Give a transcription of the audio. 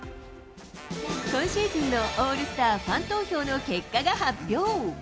今シーズンのオールスターファン投票の結果が発表。